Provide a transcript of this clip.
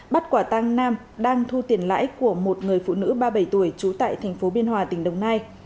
bắt quả tăng nam đang thu tiền lãi của một người phụ nữ ba mươi bảy tuổi trú tại tp biên hòa tỉnh đồng nai